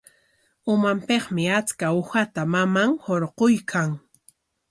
Umanpikmi achka usata maman hurquykan.